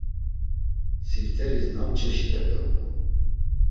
Sifteris nam çeşit̆epe uğun?